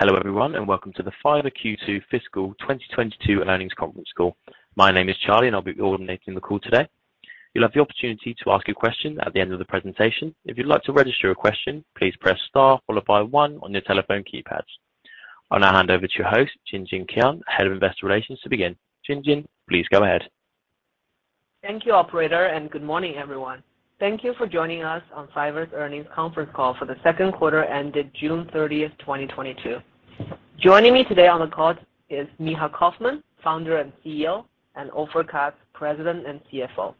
Hello, everyone, and welcome to the Fiverr Q2 fiscal 2022 earnings conference call. My name is Charlie, and I'll be coordinating the call today. You'll have the opportunity to ask a question at the end of the presentation. If you'd like to register your question, please press star followed by one on your telephone keypads. I'll now hand over to your host, Jinjin Qian, Head of Investor Relations, to begin. Jinjin, please go ahead. Thank you, operator, and good morning, everyone. Thank you for joining us on Fiverr's earnings conference call for the second quarter ended June 30, 2022. Joining me today on the call is Micha Kaufman, Founder and CEO, and Ofer Katz, President and CFO.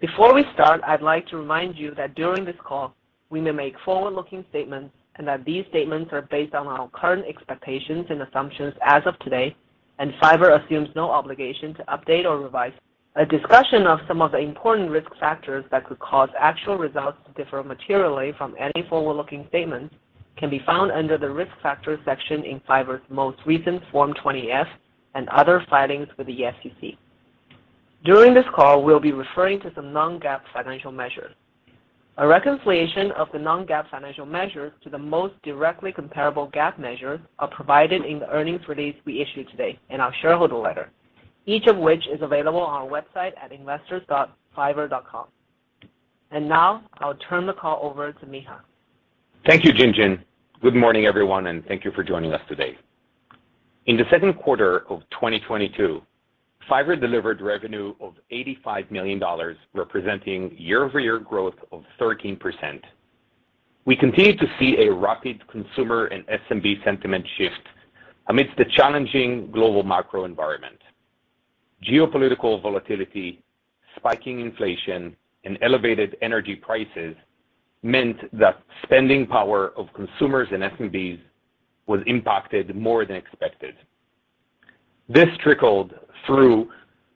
Before we start, I'd like to remind you that during this call we may make forward-looking statements, and that these statements are based on our current expectations and assumptions as of today, and Fiverr assumes no obligation to update or revise. A discussion of some of the important risk factors that could cause actual results to differ materially from any forward-looking statements can be found under the Risk Factors section in Fiverr's most recent Form 20-F and other filings with the SEC. During this call, we'll be referring to some non-GAAP financial measures. A reconciliation of the non-GAAP financial measures to the most directly comparable GAAP measures are provided in the earnings release we issued today in our shareholder letter, each of which is available on our website at investors.fiverr.com. Now I'll turn the call over to Micha. Thank you, Jinjin. Good morning, everyone, and thank you for joining us today. In the second quarter of 2022, Fiverr delivered revenue of $85 million, representing year-over-year growth of 13%. We continue to see a rapid consumer and SMB sentiment shift amidst the challenging global macro environment. Geopolitical volatility, spiking inflation, and elevated energy prices meant that spending power of consumers and SMBs was impacted more than expected. This trickled through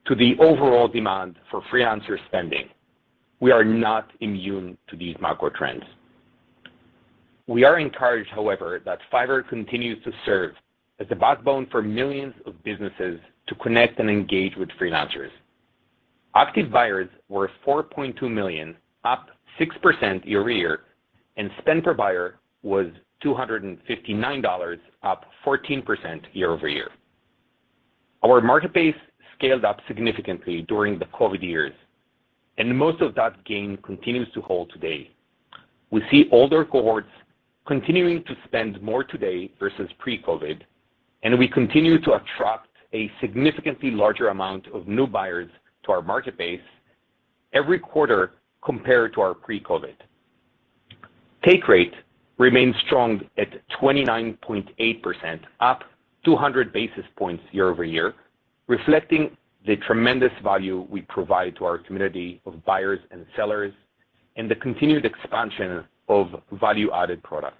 to the overall demand for freelancer spending. We are not immune to these macro trends. We are encouraged, however, that Fiverr continues to serve as the backbone for millions of businesses to connect and engage with freelancers. Active buyers were 4.2 million, up 6% year-over-year, and spend per buyer was $259, up 14% year-over-year. Our marketplace scaled up significantly during the COVID years, and most of that gain continues to hold today. We see older cohorts continuing to spend more today versus pre-COVID, and we continue to attract a significantly larger amount of new buyers to our market base every quarter compared to our pre-COVID. Take rate remains strong at 29.8%, up 200 basis points year-over-year, reflecting the tremendous value we provide to our community of buyers and sellers and the continued expansion of value-added products.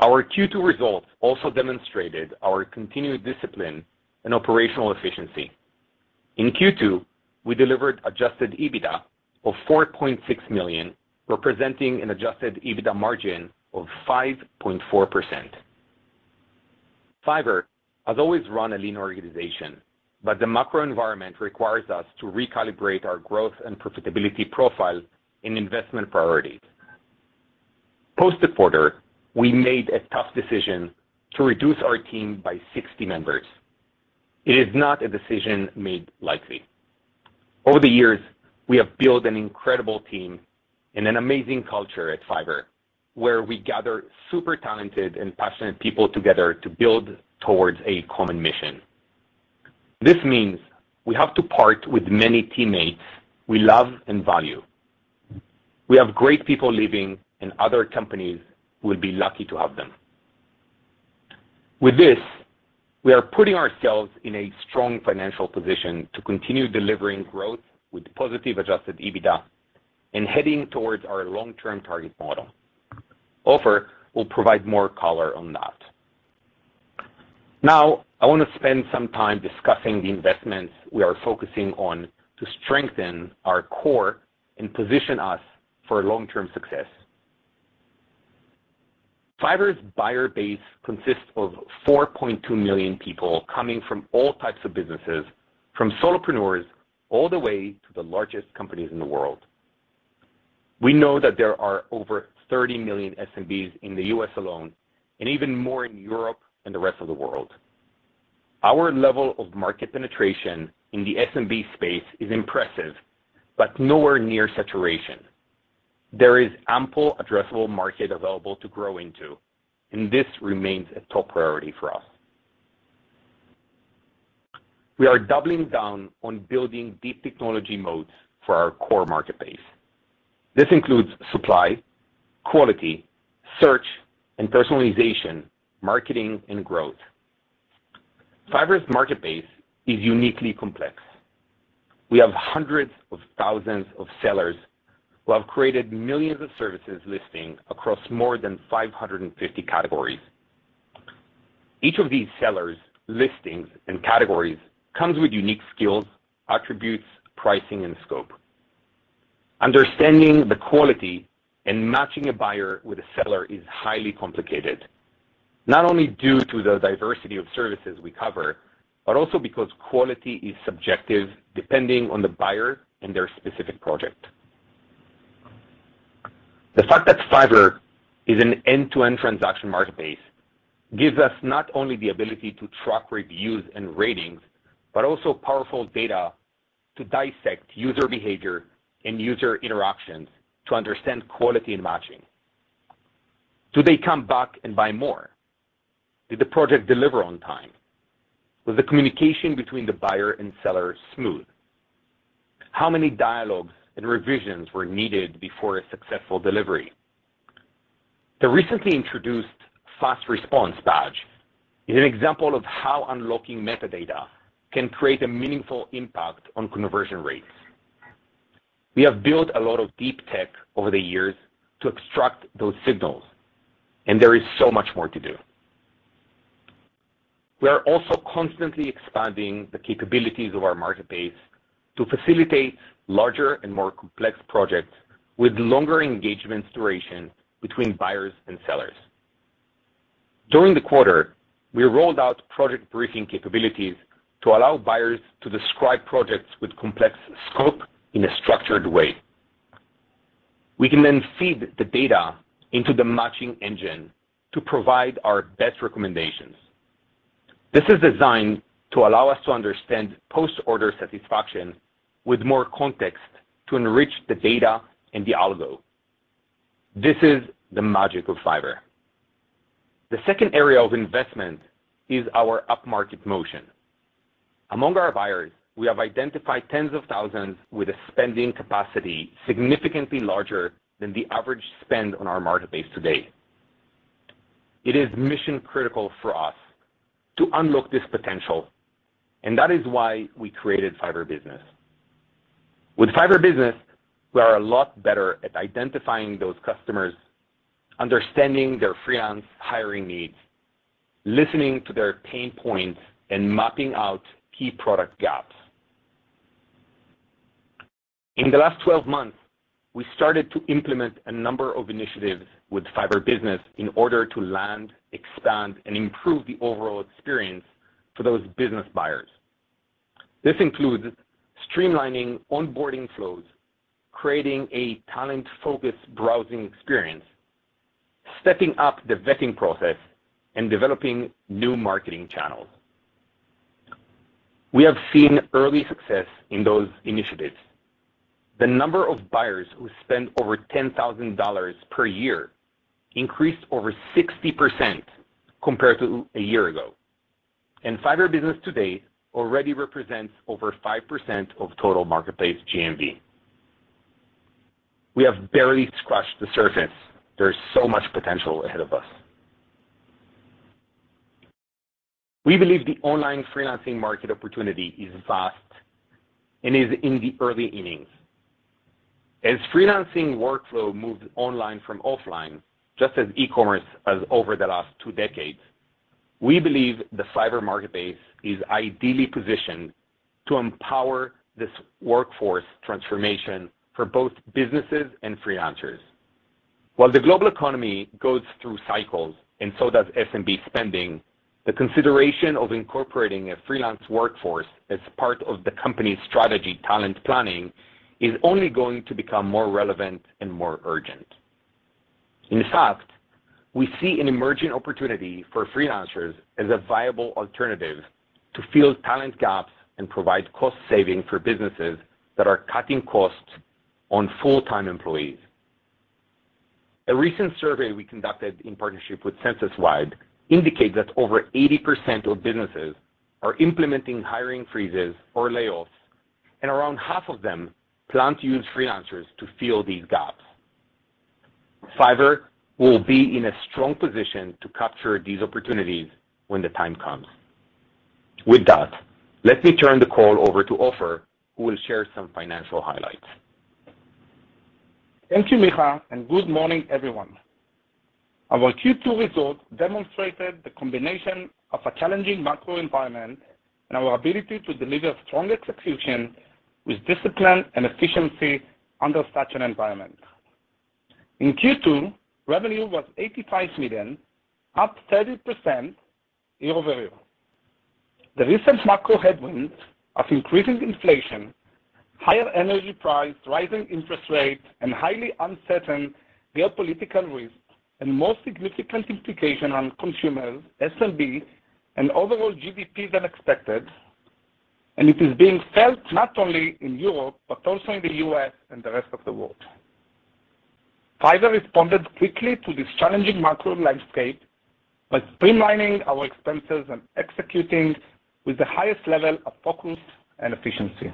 Our Q2 results also demonstrated our continued discipline and operational efficiency. In Q2, we delivered adjusted EBITDA of $4.6 million, representing an adjusted EBITDA margin of 5.4%. Fiverr has always run a lean organization, but the macro environment requires us to recalibrate our growth and profitability profile in investment priorities. Post the quarter, we made a tough decision to reduce our team by 60 members. It is not a decision made lightly. Over the years, we have built an incredible team and an amazing culture at Fiverr, where we gather super talented and passionate people together to build towards a common mission. This means we have to part with many teammates we love and value. We have great people leaving, and other companies will be lucky to have them. With this, we are putting ourselves in a strong financial position to continue delivering growth with positive adjusted EBITDA and heading towards our long-term target model. Ofer will provide more color on that. Now, I want to spend some time discussing the investments we are focusing on to strengthen our core and position us for long-term success. Fiverr's buyer base consists of 4.2 million people coming from all types of businesses, from solopreneurs all the way to the largest companies in the world. We know that there are over 30 million SMBs in the U.S. alone, and even more in Europe and the rest of the world. Our level of market penetration in the SMB space is impressive, but nowhere near saturation. There is ample addressable market available to grow into, and this remains a top priority for us. We are doubling down on building deep technology moats for our core marketplace. This includes supply, quality, search and personalization, marketing, and growth. Fiverr's marketplace is uniquely complex. We have hundreds of thousands of sellers who have created millions of services listing across more than 550 categories. Each of these sellers, listings, and categories comes with unique skills, attributes, pricing, and scope. Understanding the quality and matching a buyer with a seller is highly complicated, not only due to the diversity of services we cover, but also because quality is subjective depending on the buyer and their specific project. The fact that Fiverr is an end-to-end transaction marketplace gives us not only the ability to track reviews and ratings, but also powerful data to dissect user behavior and user interactions to understand quality and matching. Do they come back and buy more? Did the project deliver on time? Was the communication between the buyer and seller smooth? How many dialogues and revisions were needed before a successful delivery? The recently introduced Fast Response badge is an example of how unlocking metadata can create a meaningful impact on conversion rates. We have built a lot of deep tech over the years to extract those signals, and there is so much more to do. We are also constantly expanding the capabilities of our marketplace to facilitate larger and more complex projects with longer engagement duration between buyers and sellers. During the quarter, we rolled out project briefing capabilities to allow buyers to describe projects with complex scope in a structured way. We can then feed the data into the matching engine to provide our best recommendations. This is designed to allow us to understand post-order satisfaction with more context to enrich the data and the algo. This is the magic of Fiverr. The second area of investment is our upmarket motion. Among our buyers, we have identified tens of thousands with a spending capacity significantly larger than the average spend on our marketplace today. It is mission-critical for us to unlock this potential, and that is why we created Fiverr Business. With Fiverr Business, we are a lot better at identifying those customers, understanding their freelance hiring needs, listening to their pain points, and mapping out key product gaps. In the last 12 months, we started to implement a number of initiatives with Fiverr Business in order to land, expand, and improve the overall experience for those business buyers. This includes streamlining onboarding flows, creating a talent-focused browsing experience, stepping up the vetting process, and developing new marketing channels. We have seen early success in those initiatives. The number of buyers who spend over $10,000 per year increased over 60% compared to a year ago. Fiverr Business today already represents over 5% of total marketplace GMV. We have barely scratched the surface. There's so much potential ahead of us. We believe the online freelancing market opportunity is vast and is in the early innings. As freelancing workflow moves online from offline, just as e-commerce has over the last two decades, we believe the Fiverr marketplace is ideally positioned to empower this workforce transformation for both businesses and freelancers. While the global economy goes through cycles, and so does SMB spending, the consideration of incorporating a freelance workforce as part of the company's strategy talent planning is only going to become more relevant and more urgent. In fact, we see an emerging opportunity for freelancers as a viable alternative to fill talent gaps and provide cost saving for businesses that are cutting costs on full-time employees. A recent survey we conducted in partnership with Censuswide indicates that over 80% of businesses are implementing hiring freezes or layoffs, and around half of them plan to use freelancers to fill these gaps. Fiverr will be in a strong position to capture these opportunities when the time comes. With that, let me turn the call over to Ofer, who will share some financial highlights. Thank you, Micha, and good morning, everyone. Our Q2 results demonstrated the combination of a challenging macro environment and our ability to deliver strong execution with discipline and efficiency under such an environment. In Q2, revenue was $85 million, up 30% year-over-year. The recent macro headwinds of increasing inflation, higher energy price, rising interest rates, and highly uncertain geopolitical risks with more significant implications on consumers, SMB, and overall GDP than expected. It is being felt not only in Europe but also in the U.S. and the rest of the world. Fiverr responded quickly to this challenging macro landscape by streamlining our expenses and executing with the highest level of focus and efficiency.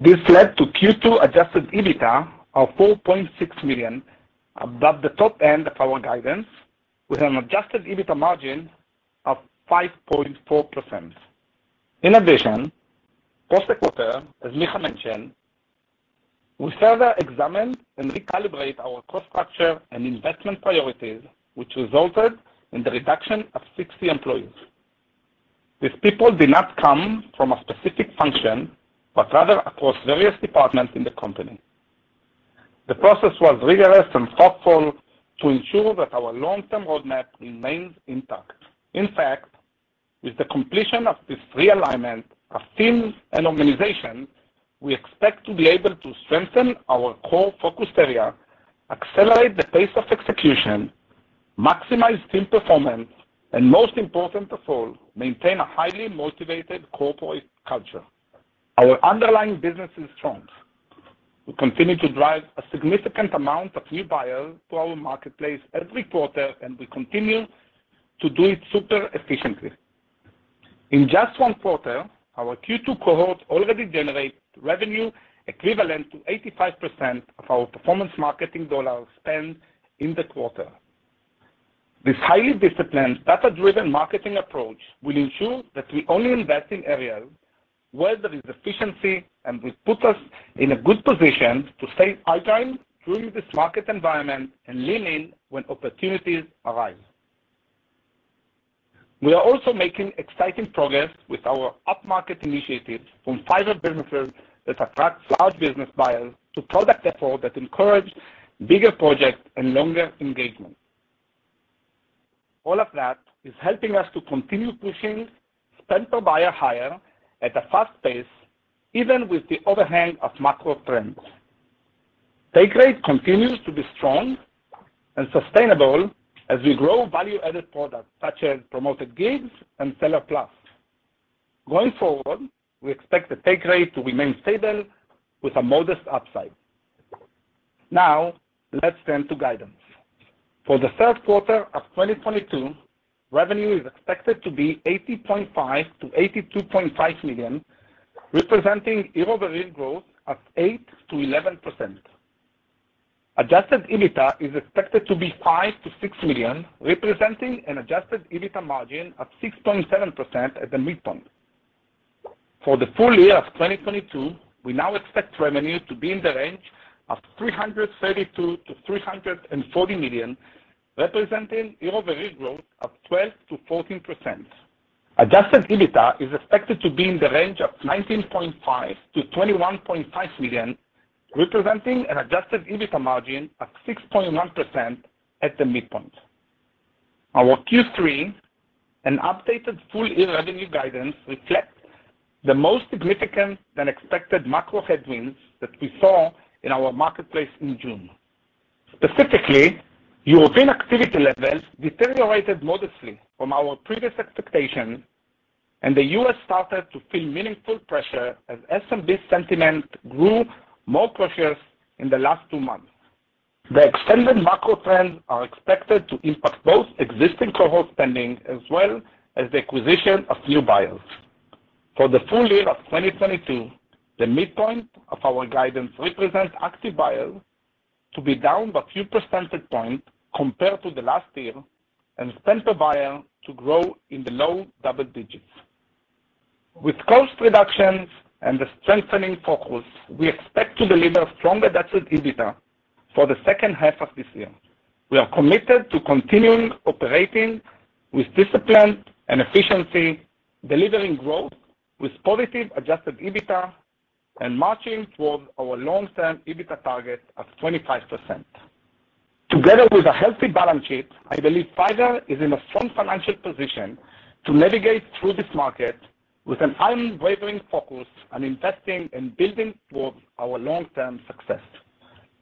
This led to Q2 adjusted EBITDA of $4.6 million above the top end of our guidance, with an adjusted EBITDA margin of 5.4%. In addition, post the quarter, as Micha mentioned, we further examined and recalibrated our cost structure and investment priorities, which resulted in the reduction of 60 employees. These people did not come from a specific function, but rather across various departments in the company. The process was rigorous and thoughtful to ensure that our long-term roadmap remains intact. With the completion of this realignment of teams and organization, we expect to be able to strengthen our core focus area, accelerate the pace of execution, maximize team performance, and most important of all, maintain a highly motivated corporate culture. Our underlying business is strong. We continue to drive a significant amount of new buyers to our marketplace every quarter, and we continue to do it super efficiently. In just one quarter, our Q2 cohort already generates revenue equivalent to 85% of our performance marketing dollars spent in the quarter. This highly disciplined, data-driven marketing approach will ensure that we only invest in areas where there is efficiency, and will put us in a good position to save our time through this market environment and lean in when opportunities arise. We are also making exciting progress with our upmarket initiatives from Fiverr Business that attracts large business buyers to product efforts that encourage bigger projects and longer engagement. All of that is helping us to continue pushing spend per buyer higher at a fast pace, even with the overhang of macro trends. Take rate continues to be strong and sustainable as we grow value-added products such as Promoted Gigs and Seller Plus. Going forward, we expect the take rate to remain stable with a modest upside. Now let's turn to guidance. For the third quarter of 2022, revenue is expected to be $80.5 million-$82.5 million, representing year-over-year growth of 8%-11%. Adjusted EBITDA is expected to be $5 million-$6 million, representing an adjusted EBITDA margin of 6.7% at the midpoint. For the full year of 2022, we now expect revenue to be in the range of $332 million-$340 million, representing year-over-year growth of 12%-14%. Adjusted EBITDA is expected to be in the range of $19.5 million-$21.5 million, representing an adjusted EBITDA margin of 6.1% at the midpoint. Our Q3 and updated full-year revenue guidance reflects more significant than expected macro headwinds that we saw in our marketplace in June. Specifically, European activity levels deteriorated modestly from our previous expectations, and the U.S. started to feel meaningful pressure as SMB sentiment grew more precious in the last two months. The extended macro trends are expected to impact both existing cohort spending as well as the acquisition of new buyers. For the full year of 2022, the midpoint of our guidance represents active buyers to be down by a few percentage points compared to the last year and spend per buyer to grow in the low double digits. With cost reductions and the strengthening focus, we expect to deliver stronger adjusted EBITDA for the second half of this year. We are committed to continuing operating with discipline and efficiency, delivering growth with positive adjusted EBITDA and marching towards our long-term EBITDA target of 25%. Together with a healthy balance sheet, I believe Fiverr is in a strong financial position to navigate through this market with an unwavering focus on investing and building towards our long-term success.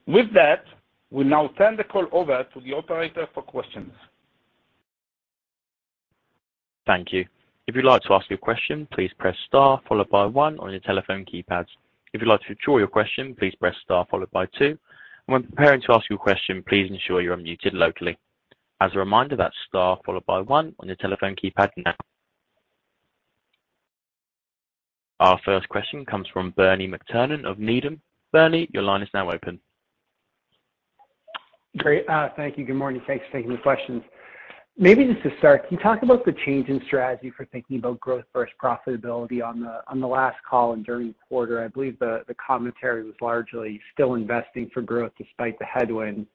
With that, we now turn the call over to the operator for questions. Thank you. If you'd like to ask your question, please press star followed by one on your telephone keypads. If you'd like to withdraw your question, please press star followed by two. When preparing to ask your question, please ensure you're unmuted locally. As a reminder, that's star followed by one on your telephone keypad now. Our first question comes from Bernie McTernan of Needham. Bernie, your line is now open. Great. Thank you. Good morning. Thanks for taking the questions. Maybe just to start, can you talk about the change in strategy for thinking about growth versus profitability on the last call and during the quarter? I believe the commentary was largely still investing for growth despite the headwinds,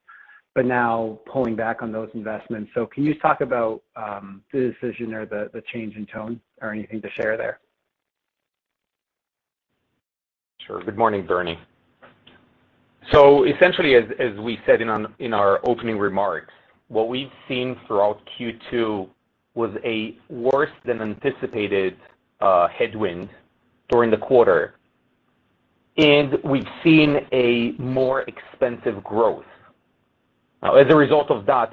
but now pulling back on those investments. Can you talk about the decision or the change in tone or anything to share there? Sure. Good morning, Bernie. Essentially as we said in our opening remarks, what we've seen throughout Q2 was a worse than anticipated headwind during the quarter, and we've seen a more expensive growth. As a result of that,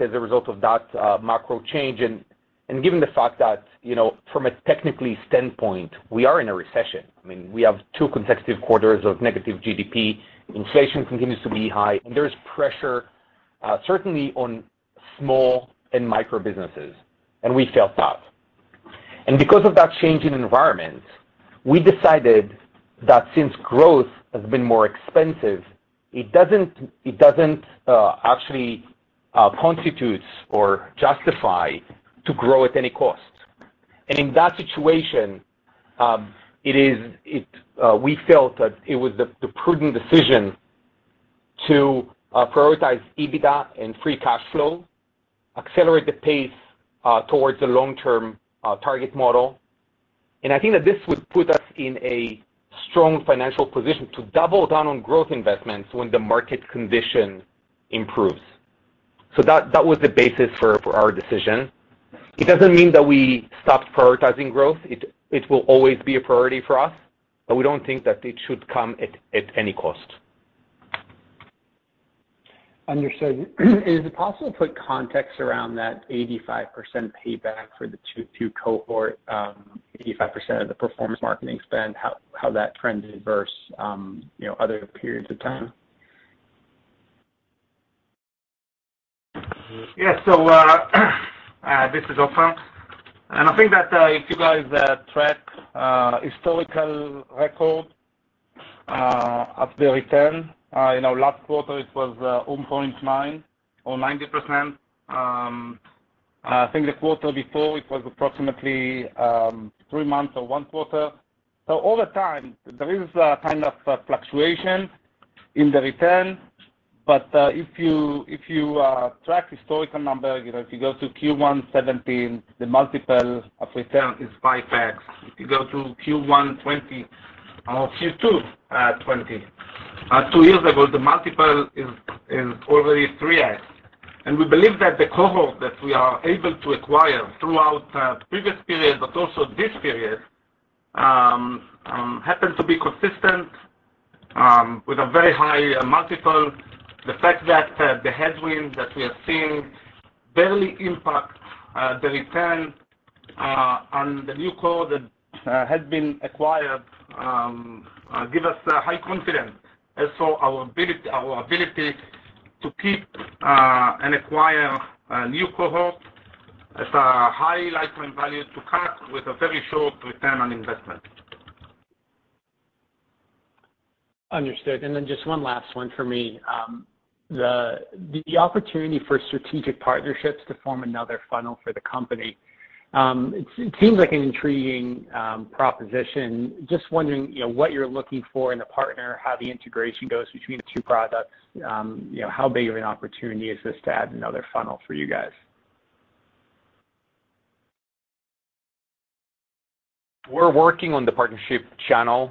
macro change and given the fact that, you know, from a technical standpoint, we are in a recession. I mean, we have two consecutive quarters of negative GDP. Inflation continues to be high, and there is pressure certainly on small and micro businesses, and we felt that. Because of that change in environment, we decided that since growth has been more expensive, it doesn't actually constitute or justify to grow at any cost. In that situation, we felt that it was the prudent decision to prioritize EBITDA and free cash flow, accelerate the pace towards the long-term target model. I think that this would put us in a strong financial position to double down on growth investments when the market condition improves. That was the basis for our decision. It doesn't mean that we stopped prioritizing growth. It will always be a priority for us, but we don't think that it should come at any cost. Understood. Is it possible to put context around that 85% payback for the 2022 cohort, 85% of the performance marketing spend? How that trended versus, you know, other periods of time? This is Ofer. I think that if you guys track historical record of the return in our last quarter it was 90%. I think the quarter before it was approximately three months or one quarter. All the time, there is a kind of fluctuation in the return. If you track historical number, you know, if you go to Q1 2017, the multiple of return is 5x. If you go to Q1 2020, Q2 2020 two years ago, the multiple is already 3x. We believe that the cohort that we are able to acquire throughout the previous period, but also this period, happens to be consistent with a very high multiple. The fact that the headwinds that we are seeing barely impact the return on the new cohort that has been acquired give us high confidence. Our ability to keep and acquire a new cohort at a high lifetime value to CAC with a very short return on investment. Understood. Just one last one for me. The opportunity for strategic partnerships to form another funnel for the company, it seems like an intriguing proposition. Just wondering, you know, what you're looking for in a partner, how the integration goes between the two products, you know, how big of an opportunity is this to add another funnel for you guys? We're working on the partnership channel.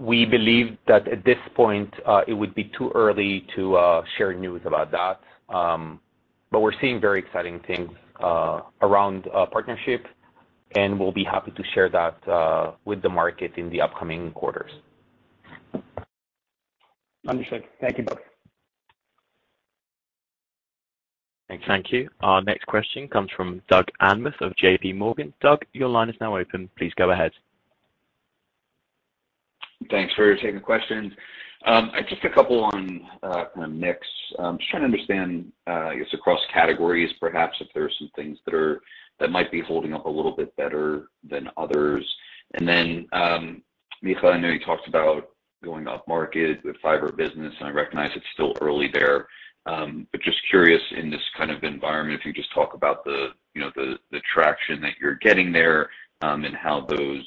We believe that at this point, it would be too early to share news about that. We're seeing very exciting things around partnership, and we'll be happy to share that with the market in the upcoming quarters. Understood. Thank you both. Thanks. Thank you. Our next question comes from Doug Anmuth of JPMorgan. Doug, your line is now open. Please go ahead. Thanks for taking the question. Just a couple on kind of mix. Just trying to understand, I guess, across categories perhaps if there are some things that might be holding up a little bit better than others. Micha, I know you talked about going up market with Fiverr Business, and I recognize it's still early there. Just curious in this kind of environment, if you just talk about the you know the traction that you're getting there, and how those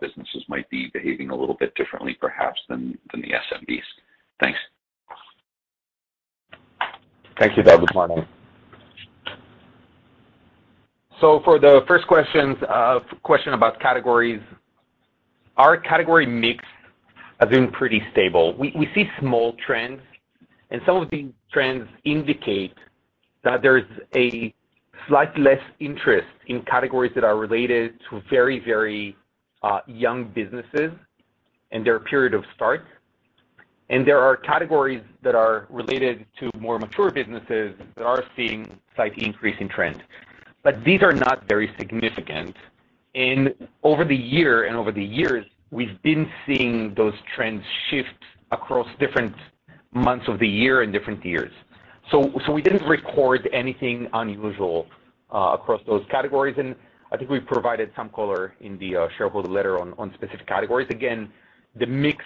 businesses might be behaving a little bit differently perhaps than the SMBs. Thanks. Thank you, Doug. Good morning. For the first question about categories. Our category mix has been pretty stable. We see small trends, and some of these trends indicate that there's a slight less interest in categories that are related to very young businesses and their period of start. There are categories that are related to more mature businesses that are seeing slight increase in trend. These are not very significant. Over the year and over the years, we've been seeing those trends shift across different months of the year and different years. We didn't record anything unusual across those categories. I think we've provided some color in the shareholder letter on specific categories. Again, the mix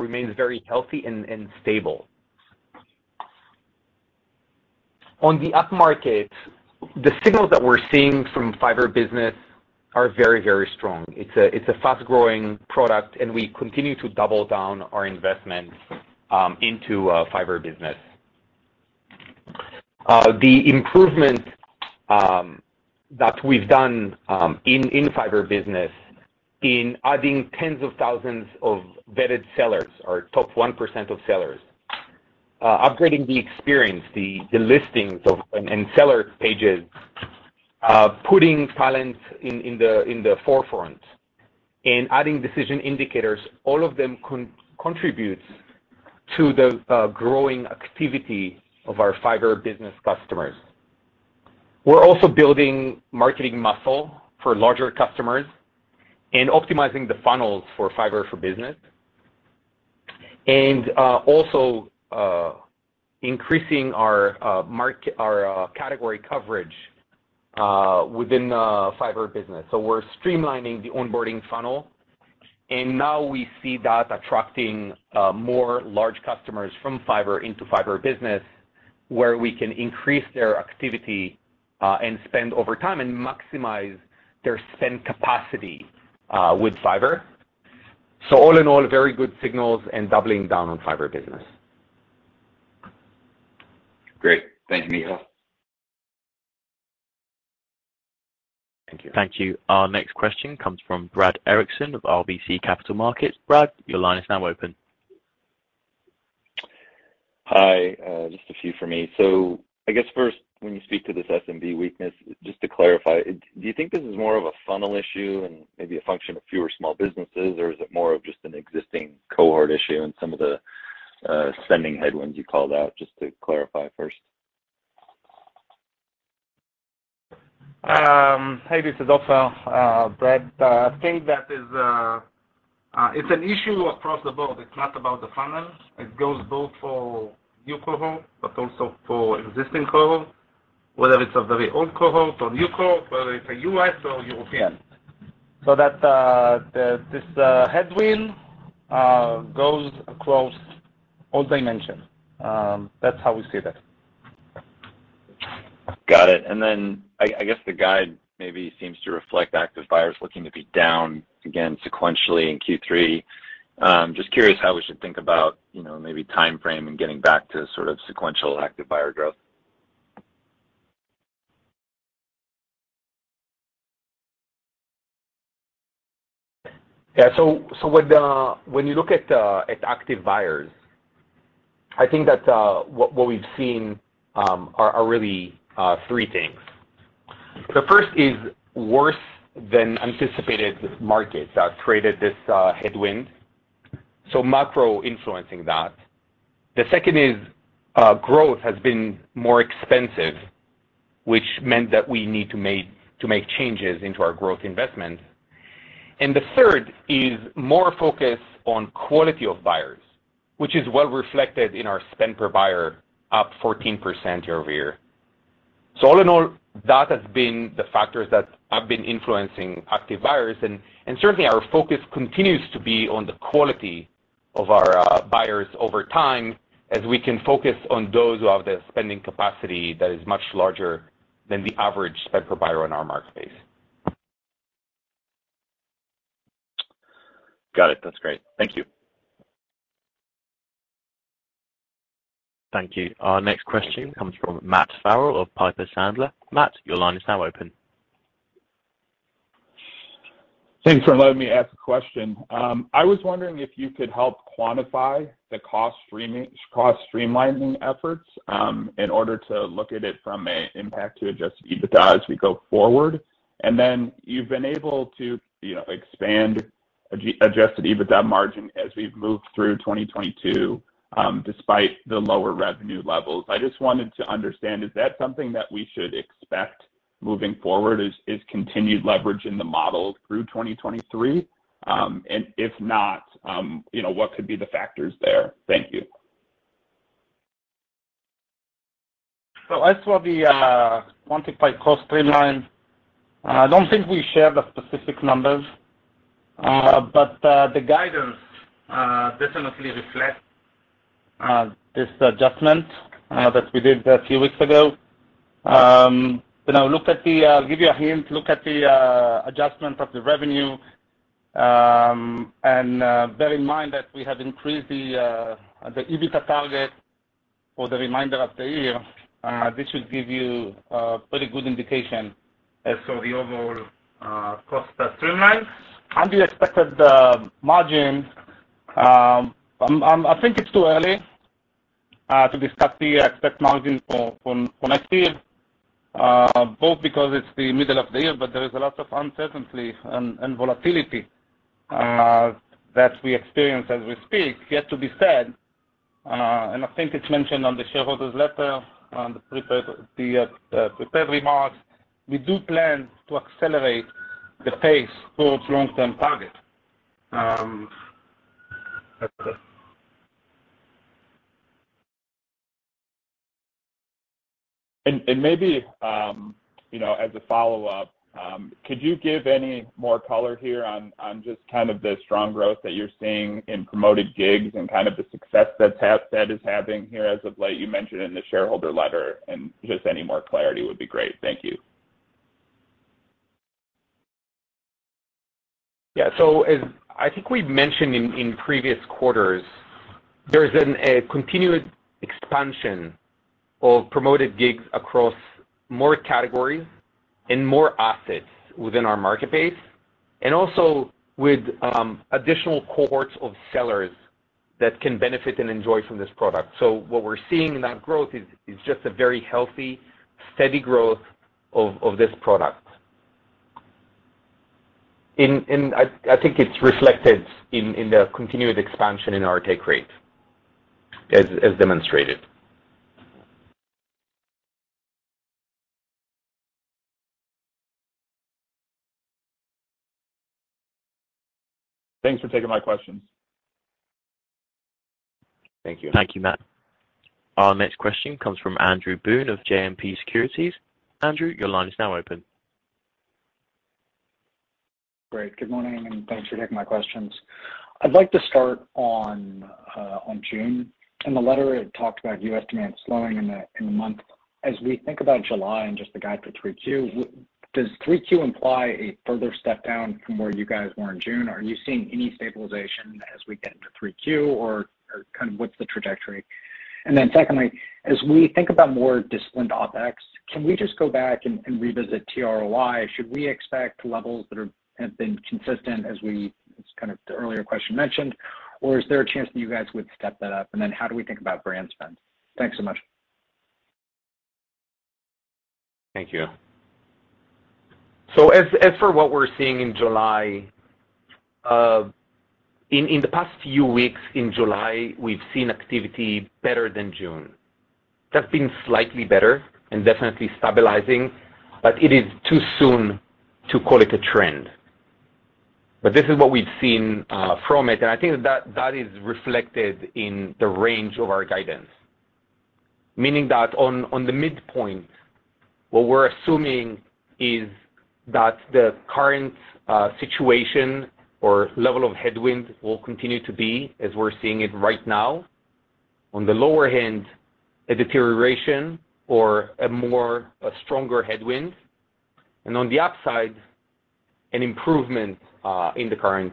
remains very healthy and stable. On the up-market, the signals that we're seeing from Fiverr Business are very, very strong. It's a fast-growing product, and we continue to double down our investment into Fiverr Business. The improvement that we've done in Fiverr Business in adding tens of thousands of vetted sellers or top 1% of sellers, upgrading the experience, the listings and seller pages, putting talent in the forefront and adding decision indicators, all of them contributes to the growing activity of our Fiverr Business customers. We're also building marketing muscle for larger customers and optimizing the funnels for Fiverr Business and also increasing our category coverage within Fiverr Business. We're streamlining the onboarding funnel, and now we see that attracting more large customers from Fiverr into Fiverr Business, where we can increase their activity and spend over time and maximize their spend capacity with Fiverr. All in all, very good signals and doubling down on Fiverr Business. Great. Thank you, Micha. Thank you. Our next question comes from Brad Erickson of RBC Capital Markets. Brad, your line is now open. Hi. Just a few for me. I guess first, when you speak to this SMB weakness, just to clarify, do you think this is more of a funnel issue and maybe a function of fewer small businesses, or is it more of just an existing cohort issue and some of the sending headwinds you called out, just to clarify first? Hey, this is Ofer. Brad, I think that is, it's an issue across the board. It's not about the funnel. It goes both for new cohort, but also for existing cohort, whether it's a very old cohort or new cohort, whether it's a U.S. or European. This headwind goes across all dimensions. That's how we see that. Got it. I guess the guide maybe seems to reflect active buyers looking to be down again sequentially in Q3. Just curious how we should think about, you know, maybe timeframe and getting back to sort of sequential active buyer growth. Yeah. When you look at active buyers, I think that what we've seen are really three things. The first is worse than anticipated markets that created this headwind, so macro influencing that. The second is growth has been more expensive, which meant that we need to make changes into our growth investments. The third is more focus on quality of buyers, which is well reflected in our spend per buyer, up 14% year-over-year. All in all, that has been the factors that have been influencing active buyers. Certainly our focus continues to be on the quality of our buyers over time as we can focus on those who have the spending capacity that is much larger than the average spend per buyer on our marketplace. Got it. That's great. Thank you. Thank you. Our next question comes from Matt Farrell of Piper Sandler. Matt, your line is now open. Thanks for letting me ask a question. I was wondering if you could help quantify the cost-streamlining efforts, in order to look at it from an impact to adjusted EBITDA as we go forward. Then you've been able to, you know, expand adjusted EBITDA margin as we've moved through 2022, despite the lower revenue levels. I just wanted to understand, is that something that we should expect moving forward, is continued leverage in the model through 2023? If not, you know, what could be the factors there? Thank you. As for the quantified cost streamlining, I don't think we share the specific numbers. But the guidance definitely reflects this adjustment that we did a few weeks ago. You know, I'll give you a hint. Look at the adjustment of the revenue, and bear in mind that we have increased the EBITDA target for the remainder of the year. This should give you a pretty good indication as for the overall cost streamlining. The expected margin, I think it's too early to discuss the expected margin for next year, both because it's the middle of the year, but there is a lot of uncertainty and volatility that we experience as we speak. Yet to be said, and I think it's mentioned on the shareholders letter on the prepared remarks, we do plan to accelerate the pace towards long-term target. Maybe you know, as a follow-up, could you give any more color here on just kind of the strong growth that you're seeing in Promoted Gigs and kind of the success that is having here as of late? You mentioned in the shareholder letter, and just any more clarity would be great. Thank you. Yeah. As I think we've mentioned in previous quarters, there's been a continued expansion of Promoted Gigs across more categories and more assets within our marketplace, and also with additional cohorts of sellers that can benefit and enjoy from this product. What we're seeing in that growth is just a very healthy, steady growth of this product. I think it's reflected in the continued expansion in our take rate as demonstrated. Thanks for taking my questions. Thank you. Thank you, Matt. Our next question comes from Andrew Boone of JMP Securities. Andrew, your line is now open. Great. Good morning, and thanks for taking my questions. I'd like to start on June. In the letter, it talked about U.S. demand slowing in the month. As we think about July and just the guide for 3Q, does 3Q imply a further step down from where you guys were in June? Are you seeing any stabilization as we get into 3Q or kind of what's the trajectory? Then secondly, as we think about more disciplined OpEx, can we just go back and revisit ROI? Should we expect levels that have been consistent as kind of the earlier question mentioned, or is there a chance that you guys would step that up? Then how do we think about brand spend? Thanks so much. Thank you. As for what we're seeing in July, in the past few weeks in July, we've seen activity better than June. It has been slightly better and definitely stabilizing, but it is too soon to call it a trend. This is what we've seen from it, and I think that is reflected in the range of our guidance. Meaning that on the midpoint, what we're assuming is that the current situation or level of headwind will continue to be as we're seeing it right now. On the lower end, a deterioration or a stronger headwind, and on the upside, an improvement in the current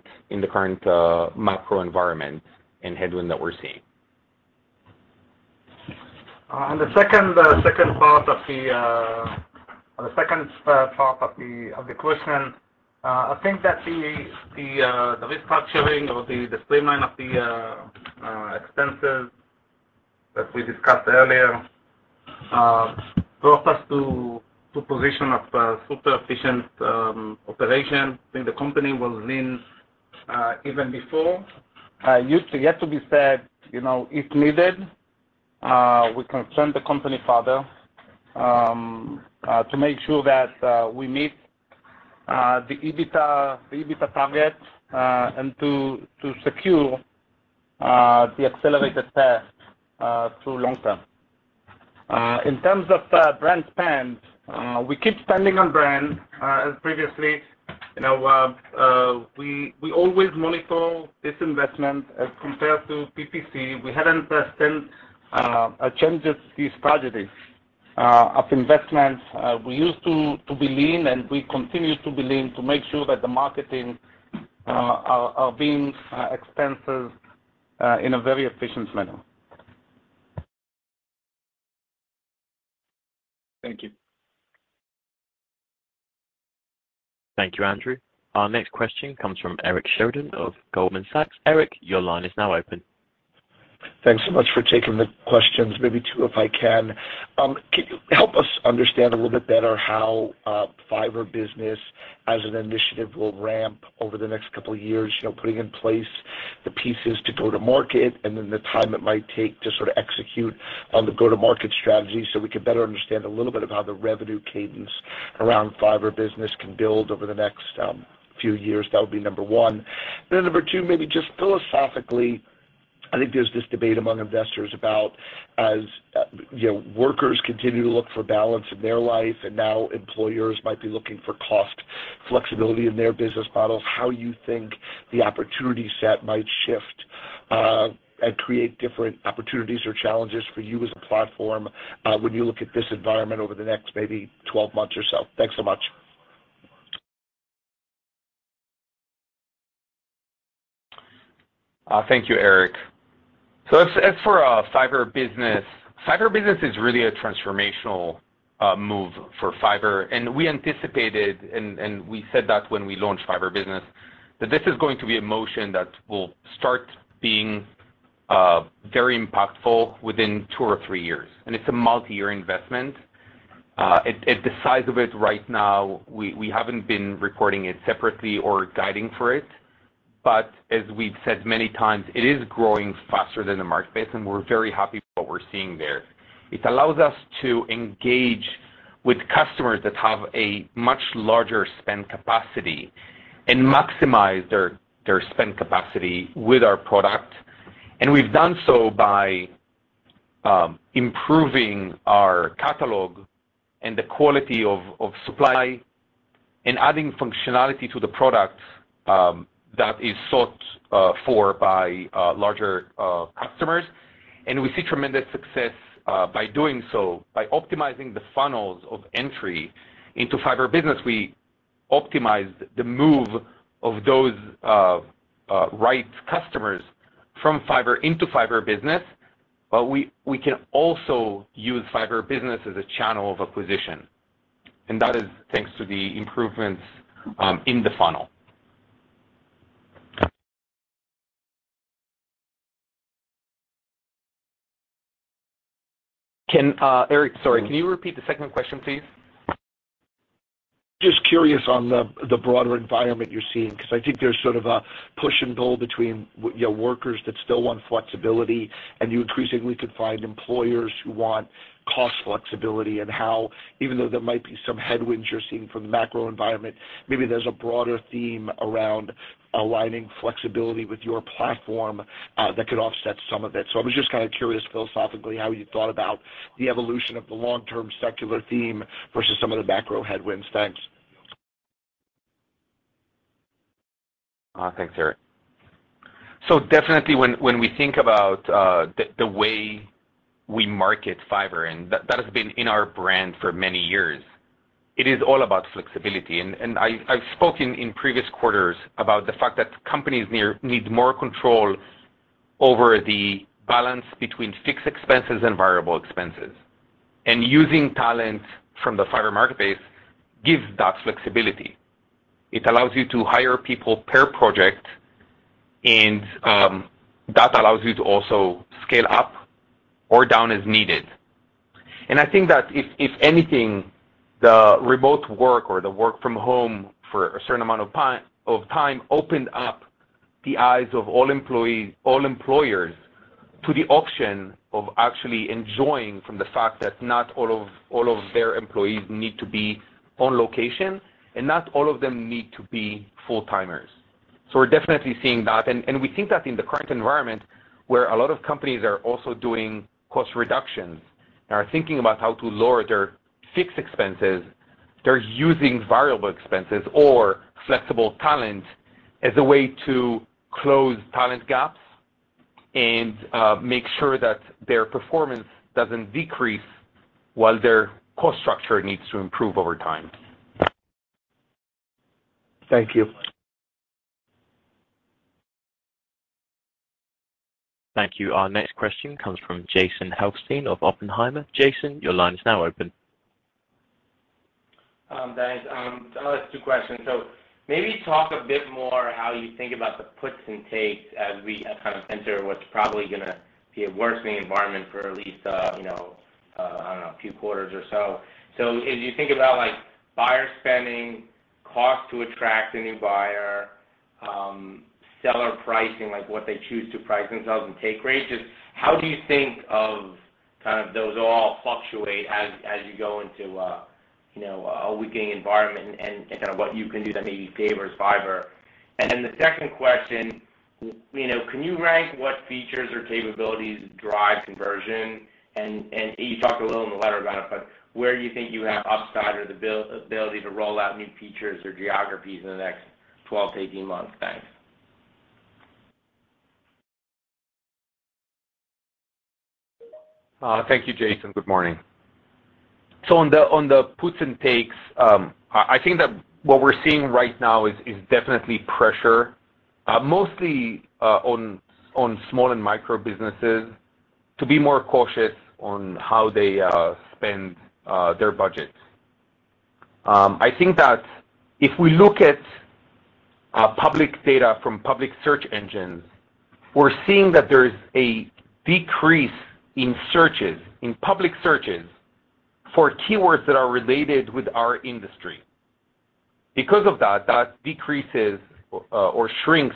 macro environment and headwind that we're seeing. On the second part of the question, I think that the restructuring or the streamlining of the expenses that we discussed earlier brought us to position of super efficient operation. I think the company was lean even before. Yet to be said, you know, if needed, we can trim the company further to make sure that we meet the EBITDA target and to secure the accelerated path to long term. In terms of brand spend, we keep spending on brand as previously. You know, we always monitor this investment as compared to PPC. We haven't sensed a change of this strategy of investments. We used to be lean, and we continue to be lean to make sure that the marketing are being expensed in a very efficient manner. Thank you. Thank you, Andrew. Our next question comes from Eric Sheridan of Goldman Sachs. Eric, your line is now open. Thanks so much for taking the questions. Maybe two, if I can. Can you help us understand a little bit better how, Fiverr Business as an initiative will ramp over the next couple of years, you know, putting in place the pieces to go to market and then the time it might take to sort of execute on the go-to-market strategy so we can better understand a little bit of how the revenue cadence around Fiverr Business can build over the next, few years? That would be number one. Number two, maybe just philosophically, I think there's this debate among investors about as, you know, workers continue to look for balance in their life, and now employers might be looking for cost flexibility in their business models. How do you think the opportunity set might shift, and create different opportunities or challenges for you as a platform, when you look at this environment over the next maybe 12 months or so? Thanks so much. Thank you, Eric. For Fiverr Business, Fiverr Business is really a transformational move for Fiverr. We anticipated and we said that when we launched Fiverr Business, that this is going to be a motion that will start being very impactful within two or three years. It's a multi-year investment. At the size of it right now, we haven't been recording it separately or guiding for it. As we've said many times, it is growing faster than the marketplace, and we're very happy with what we're seeing there. It allows us to engage with customers that have a much larger spend capacity and maximize their spend capacity with our product. We've done so by improving our catalog and the quality of supply and adding functionality to the product that is sought for by larger customers. We see tremendous success by doing so. By optimizing the funnels of entry into Fiverr Business, we optimize the move of those right customers from Fiverr into Fiverr Business, but we can also use Fiverr Business as a channel of acquisition. That is thanks to the improvements in the funnel. Eric, sorry, can you repeat the second question, please? Just curious on the broader environment you're seeing, because I think there's sort of a push and pull between your workers that still want flexibility, and you increasingly could find employers who want cost flexibility and how, even though there might be some headwinds you're seeing from the macro environment, maybe there's a broader theme around aligning flexibility with your platform, that could offset some of it. I was just kind of curious philosophically how you thought about the evolution of the long-term secular theme versus some of the macro headwinds. Thanks. Thanks, Eric. Definitely when we think about the way we market Fiverr, and that has been in our brand for many years, it is all about flexibility. I've spoken in previous quarters about the fact that companies need more control over the balance between fixed expenses and variable expenses. Using talent from the Fiverr marketplace gives that flexibility. It allows you to hire people per project, and that allows you to also scale up or down as needed. I think that if anything, the remote work or the work from home for a certain amount of time opened up the eyes of all employers to the option of actually benefiting from the fact that not all of their employees need to be on location, and not all of them need to be full-timers. We're definitely seeing that. We think that in the current environment where a lot of companies are also doing cost reductions and are thinking about how to lower their fixed expenses, they're using variable expenses or flexible talent as a way to close talent gaps and make sure that their performance doesn't decrease while their cost structure needs to improve over time. Thank you. Thank you. Our next question comes from Jason Helfstein of Oppenheimer. Jason, your line is now open. Guys, I'll ask two questions. Maybe talk a bit more how you think about the puts and takes as we kind of enter what's probably gonna be a worsening environment for at least you know I don't know a few quarters or so. As you think about, like, buyer spending, cost to attract a new buyer, seller pricing, like what they choose to price themselves and take rates, just how do you think of kind of those all fluctuate as you go into a you know a weakening environment and kind of what you can do that maybe favors Fiverr? And then the second question, you know, can you rank what features or capabilities drive conversion? You talked a little in the letter about it, but where do you think you have upside or the ability to roll out new features or geographies in the next 12-18 months? Thanks. Thank you, Jason. Good morning. On the puts and takes, I think that what we're seeing right now is definitely pressure, mostly on small and micro businesses to be more cautious on how they spend their budgets. I think that if we look at public data from public search engines, we're seeing that there's a decrease in searches, in public searches for keywords that are related with our industry. Because of that decreases or shrinks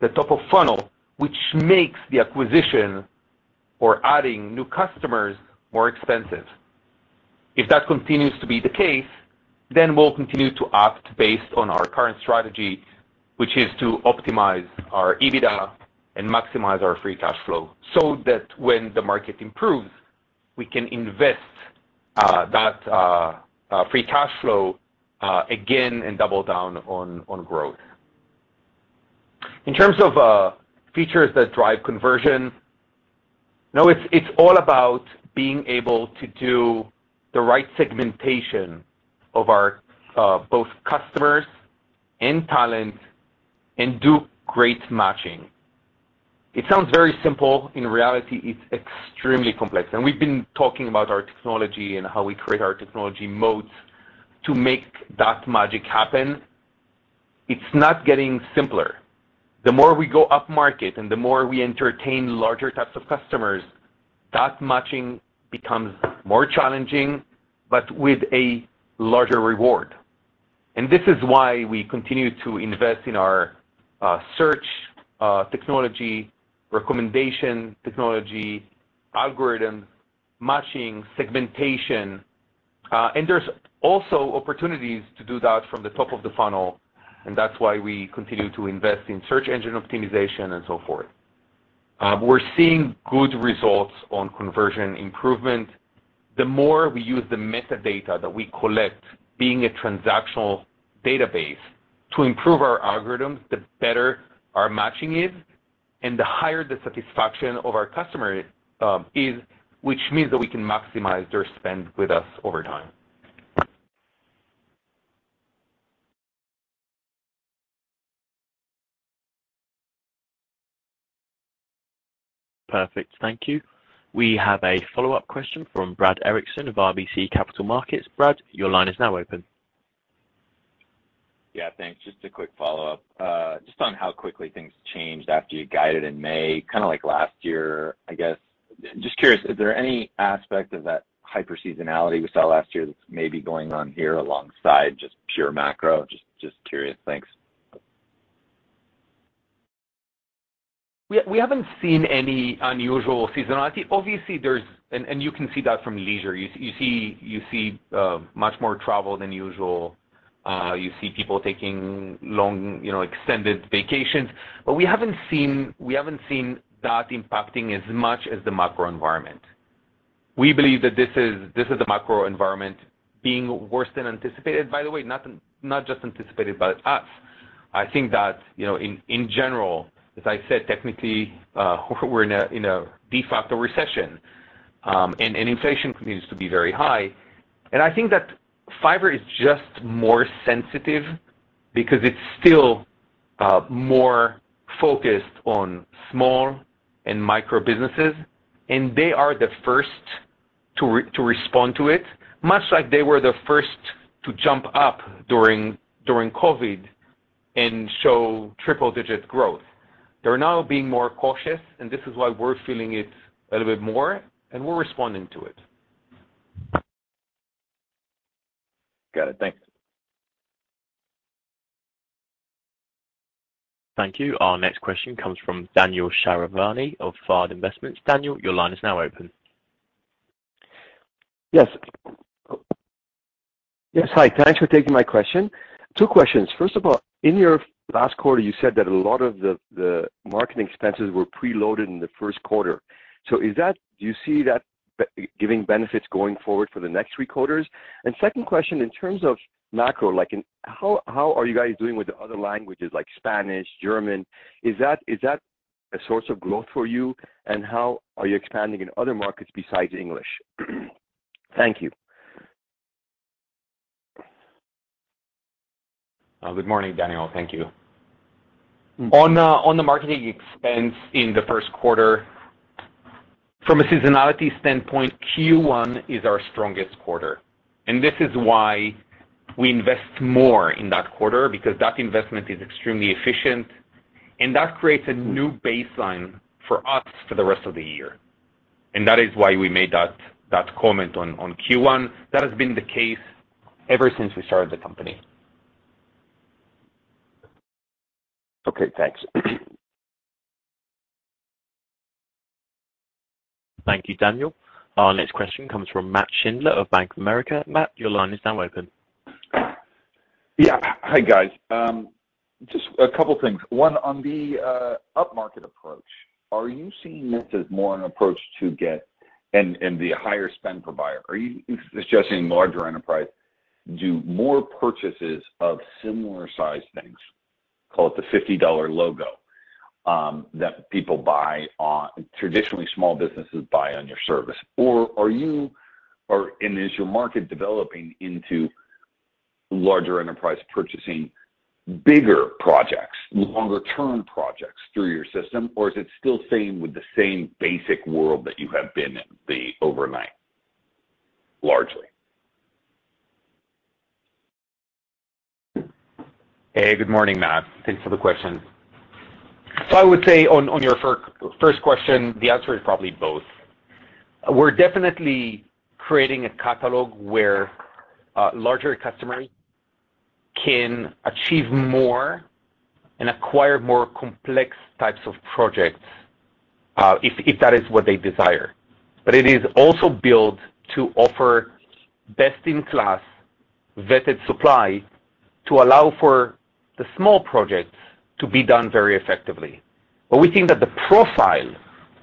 the top of funnel, which makes the acquisition or adding new customers more expensive. If that continues to be the case, we'll continue to act based on our current strategy, which is to optimize our EBITDA and maximize our free cash flow so that when the market improves, we can invest that free cash flow again and double down on growth. In terms of features that drive conversion, you know, it's all about being able to do the right segmentation of our both customers and talent and do great matching. It sounds very simple. In reality, it's extremely complex. We've been talking about our technology and how we create our technology moats to make that magic happen. It's not getting simpler. The more we go upmarket and the more we entertain larger types of customers, that matching becomes more challenging, but with a larger reward. This is why we continue to invest in our search technology, recommendation technology, algorithms, matching, segmentation, and there's also opportunities to do that from the top of the funnel, and that's why we continue to invest in search engine optimization and so forth. We're seeing good results on conversion improvement. The more we use the metadata that we collect being a transactional database to improve our algorithms, the better our matching is and the higher the satisfaction of our customer is, which means that we can maximize their spend with us over time. Perfect. Thank you. We have a follow-up question from Brad Erickson of RBC Capital Markets. Brad, your line is now open. Yeah, thanks. Just a quick follow-up. Just on how quickly things changed after you guided in May, kinda like last year, I guess. Just curious, is there any aspect of that hyper seasonality we saw last year that's maybe going on here alongside just pure macro? Just curious. Thanks. We haven't seen any unusual seasonality. Obviously, you can see that from leisure. You see much more travel than usual. You see people taking long, you know, extended vacations. But we haven't seen that impacting as much as the macro environment. We believe that this is the macro environment being worse than anticipated. By the way, not just anticipated by us. I think that, you know, in general, as I said, technically, we're in a de facto recession, and inflation continues to be very high. I think that Fiverr is just more sensitive because it's still more focused on small and micro businesses, and they are the first to respond to it, much like they were the first to jump up during COVID and show triple-digit growth. They're now being more cautious, and this is why we're feeling it a little bit more, and we're responding to it. Got it. Thanks. Thank you. Our next question comes from Daniel Shahrabani of Fard Investments. Daniel, your line is now open. Yes. Yes, hi. Thanks for taking my question. Two questions. First of all, in your last quarter, you said that a lot of the marketing expenses were preloaded in the first quarter. So is that do you see that giving benefits going forward for the next three quarters? Second question, in terms of macro, like how are you guys doing with the other languages like Spanish, German? Is that a source of growth for you? How are you expanding in other markets besides English? Thank you. Good morning, Daniel. Thank you. On the marketing expense in the first quarter, from a seasonality standpoint, Q1 is our strongest quarter. This is why we invest more in that quarter, because that investment is extremely efficient and that creates a new baseline for us for the rest of the year. That is why we made that comment on Q1. That has been the case ever since we started the company. Okay, thanks. Thank you, Daniel. Our next question comes from Matt Schindler of Bank of America. Matt, your line is now open. Yeah. Hi, guys. Just a couple of things. One, on the up-market approach, are you seeing this as more an approach to get and the higher spend per buyer? Are you suggesting larger enterprise do more purchases of similar-sized things, call it the $50 logo, that traditionally small businesses buy on your service? Or is your market developing into larger enterprise purchasing bigger projects, longer-term projects through your system? Or is it still same with the same basic world that you have been in the overnight, largely? Hey, good morning, Matt. Thanks for the question. I would say on your first question, the answer is probably both. We're definitely creating a catalog where larger customers can achieve more and acquire more complex types of projects, if that is what they desire. It is also built to offer best-in-class vetted supply to allow for the small projects to be done very effectively. We think that the profile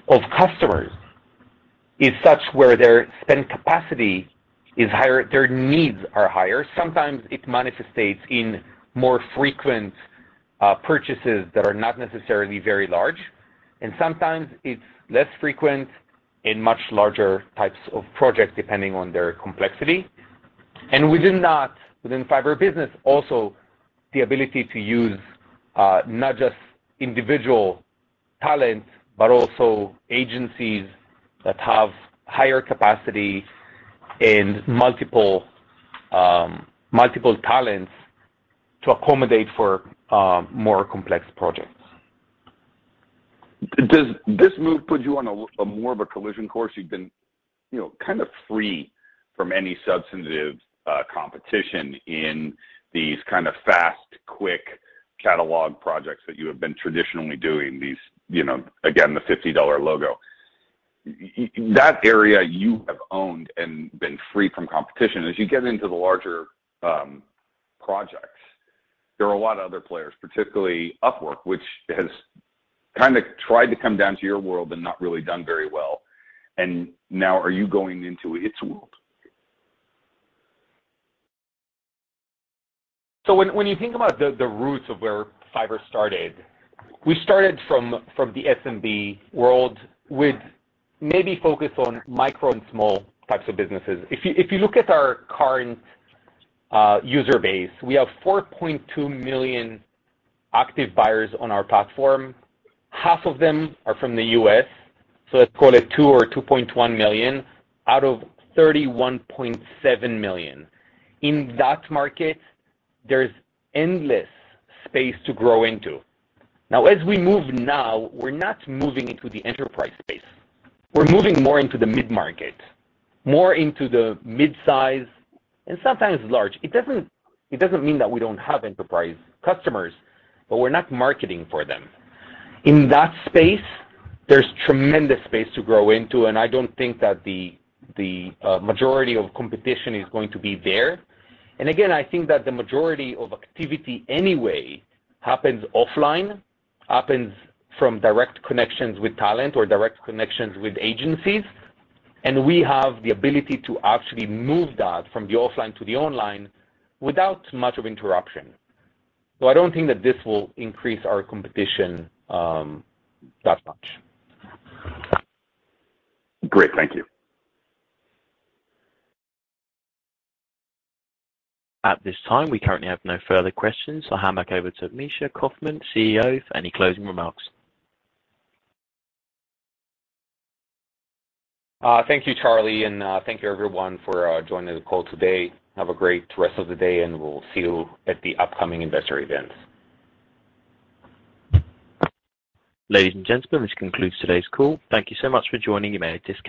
of customers is such where their spend capacity is higher, their needs are higher. Sometimes it manifests in more frequent purchases that are not necessarily very large, and sometimes it's less frequent in much larger types of projects, depending on their complexity. Within that, within the Fiverr business, also the ability to use not just individual talent, but also agencies that have higher capacity and multiple talents to accommodate for more complex projects. Does this move put you on a more of a collision course? You've been, you know, kind of free from any substantive competition in these kind of fast, quick catalog projects that you have been traditionally doing, these, you know, again, the $50 logo. That area you have owned and been free from competition. As you get into the larger projects, there are a lot of other players, particularly Upwork, which has kinda tried to come down to your world but not really done very well. Now are you going into its world? When you think about the roots of where Fiverr started, we started from the SMB world with maybe focus on micro and small types of businesses. If you look at our current user base, we have 4.2 million active buyers on our platform. Half of them are from the U.S., so let's call it 2 million or 2.1 million out of 31.7 million. In that market, there's endless space to grow into. Now, as we move, we're not moving into the enterprise space. We're moving more into the mid-market, more into the midsize and sometimes large. It doesn't mean that we don't have enterprise customers, but we're not marketing for them. In that space, there's tremendous space to grow into, and I don't think that the majority of competition is going to be there. I think that the majority of activity anyway happens from direct connections with talent or direct connections with agencies, and we have the ability to actually move that from the offline to the online without much interruption. I don't think that this will increase our competition that much. Great. Thank you. At this time, we currently have no further questions. I'll hand back over to Micha Kaufman, CEO, for any closing remarks. Thank you, Charlie, and thank you everyone for joining the call today. Have a great rest of the day, and we'll see you at the upcoming investor events. Ladies and gentlemen, this concludes today's call. Thank you so much for joining. You may disconnect.